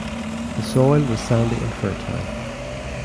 The soil was sandy and fertile.